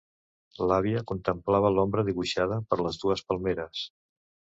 L’àvia contemplava l’ombra dibuixada per les dues palmeres.